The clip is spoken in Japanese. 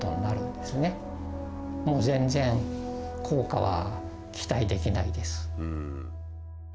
全然効果は期待できないです。